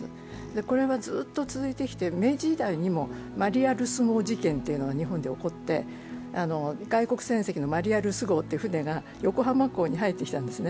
これはずっと続いてきて、明治時代にもマリアルス号事件というのが起こって外国戦績の「マリアルス号」という船が横浜港に入ってきたんですね。